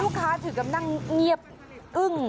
ลูกค้าถือกำลังเงียบอึ้ง